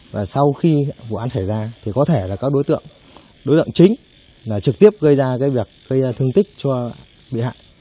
và sau khi vụ án xảy ra thì có thể là các đối tượng đối tượng chính là trực tiếp gây ra cái việc gây ra thương tích cho bị hại